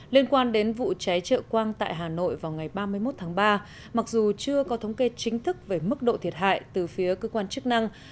liên quan đến vụ cháy trợ quang tại hà nội vào ngày ba mươi một tháng ba mặc dù chưa có thống kê chính thức về mức độ thiệt hại từ phía cơ quan chức năng